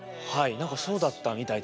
何かそうだったみたいですね。